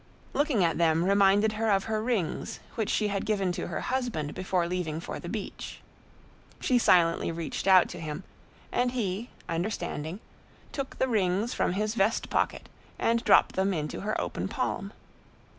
Looking at them reminded her of her rings, which she had given to her husband before leaving for the beach. She silently reached out to him, and he, understanding, took the rings from his vest pocket and dropped them into her open palm.